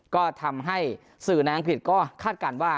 ก็ทำให้สื่อแน้งผิดก็คาดกันว่า